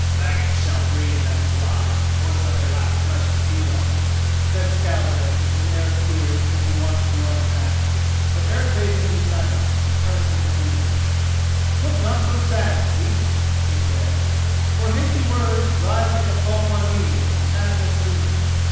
"Maggots shall be bred of that fly, nor shall they lack flesh to feed on," said Skallagrim in Eric's ears as he watched Björn pass. But Eric bade him be silent, and turned to Gudruda. "Look not so sad, sweet," he said, "for hasty words rise like the foam on mead and pass as soon.